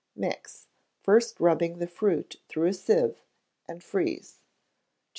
Mix, first rubbing the fruit through a sieve, and freeze. 2148.